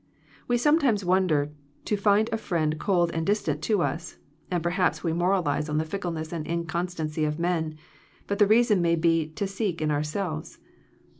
We sometimes wonder to find a friend cold and distant to us, and perhaps we moralize on the fickleness and incon stancy of men, but the reason may be to seek in ourselves.